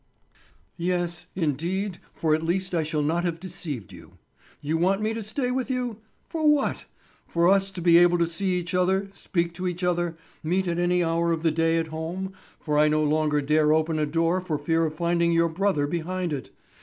"Yes, indeed, for at least I shall not have deceived you. You want me to stay with you? For what—for us to be able to see each other, speak to each other, meet at any hour of the day at home, for I no longer dare open a door for fear of finding your brother behind it.